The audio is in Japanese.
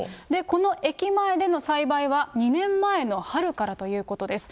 この駅前での栽培は２年前の春からということです。